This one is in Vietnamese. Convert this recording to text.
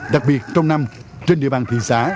đặc biệt trong năm trên địa bàn thị xã